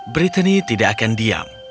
brittany tidak akan diam